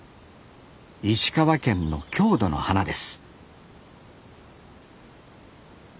石川県の郷土の花です